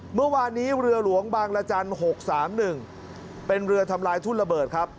เมื่อวานนี้เรือหลวงบางละจันทร์๖๓๑เป็นเรือทำลายทุ่นระเบิดครับ